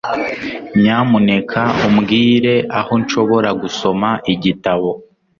Nyamuneka umbwire aho nshobora gusoma igitabo.